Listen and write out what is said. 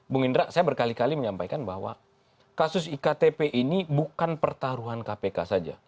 bung indra saya berkali kali menyampaikan bahwa kasus iktp ini bukan pertaruhan kpk saja